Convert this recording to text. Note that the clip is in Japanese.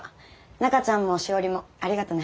中ちゃんも詩織もありがとね。